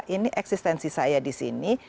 ini eksistensi saya di sini